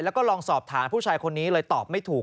แล้วก็ลองสอบถามผู้ชายคนนี้เลยตอบไม่ถูก